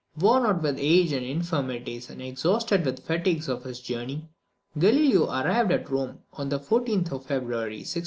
Worn out with age and infirmities, and exhausted with the fatigues of his journey, Galileo arrived at Rome on the 14th of February, 1633.